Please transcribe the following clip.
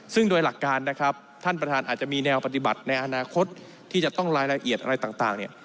ซึ่งโดยหลักการนะครับท่านประธานอาจจะมีแนวปฏิบัติในอนาคตที่จะต้องรายละเอียดอะไรต่างเนี่ย